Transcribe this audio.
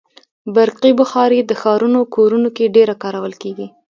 برقي بخاري د ښارونو کورونو کې ډېره کارول کېږي.